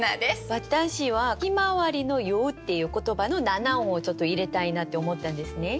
私は「ひまわりのよう」っていう言葉の七音をちょっと入れたいなって思ったんですね。